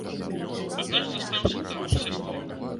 А наш застаўся там, у сястры.